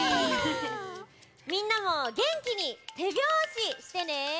みんなもげんきにてびょうししてね。